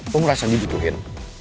lo ngerasa dibutuhin